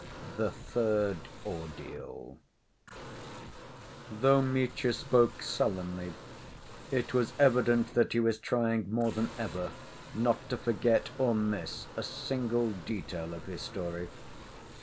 The Third Ordeal Though Mitya spoke sullenly, it was evident that he was trying more than ever not to forget or miss a single detail of his story.